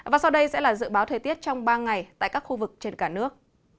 và sau đây sẽ là dự báo thời tiết trong ba ngày tại các khu vực trên cả nước